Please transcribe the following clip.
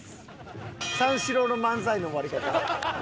三四郎の漫才の終わり方。